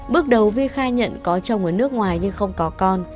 bước đầu vi khai nhận có chồng ở nước ngoài nhưng không có con